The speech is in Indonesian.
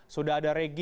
sudah ada regi